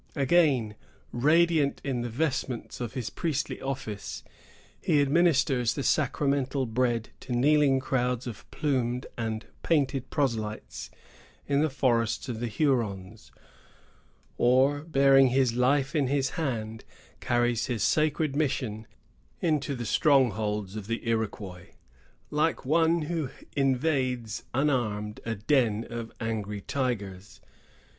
Again, radiant in the vestments of his priestly office, he administers the sacramental bread to kneeling crowds of plumed and painted proselytes in the forests of the Hurons; or, bearing his life in his hand, carries his sacred mission into the strongholds of the Iroquois, like one who invades unarmed a den of angry tigers.